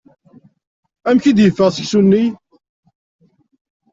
Amek i d-yeffeɣ seksu-nni?